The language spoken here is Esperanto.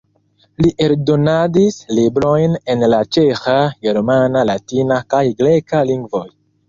Li eldonadis librojn en la ĉeĥa, germana, latina kaj greka lingvoj.